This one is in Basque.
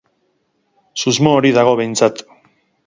Susmo hori dago behintzat.